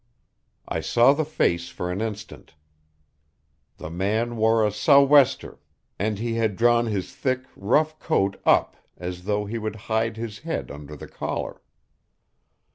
I saw the face for an instant. The man wore a sou'wester, and he had drawn his thick, rough coat up as though he would hide his head under the collar.